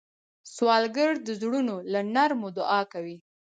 سوالګر د زړونو له نرمو دعا کوي